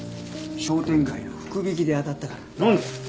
商店街の福引で当たったから飲んで！